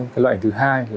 cái loại hình thứ hai